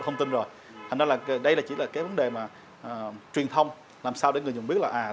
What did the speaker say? thông tin rồi thành ra là đây là chỉ là cái vấn đề mà truyền thông làm sao để người dùng biết là